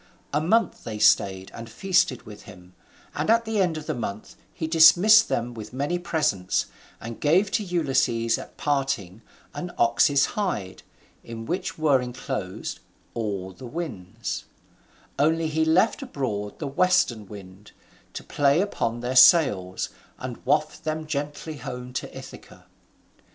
A month they stayed and feasted with him, and at the end of the month he dismissed them with many presents, and gave to Ulysses at parting an ox's hide, in which were enclosed all the winds: only he left abroad the western wind, to play upon their sails and waft them gently home to Ithaca.